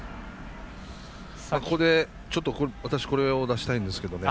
ここで、私これを出したいんですけどね。